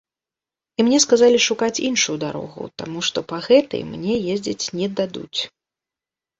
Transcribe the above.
І мне сказалі шукаць іншую дарогу, таму што па гэтай мне ездзіць не дадуць.